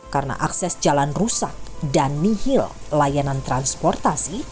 karena akses jalan rusak dan nihil layanan transportasi